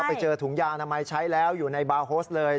ไปเจอถุงยางอนามัยใช้แล้วอยู่ในบาร์โฮสเลย